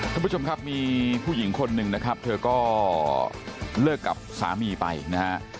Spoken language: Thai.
ท่านผู้ชมครับมีผู้หญิงคนหนึ่งนะครับเธอก็เลิกกับสามีไปนะฮะ